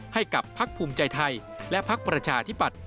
ให้กับภักษ์ภูมิใจไทยและภักษ์ประชาธิบัตร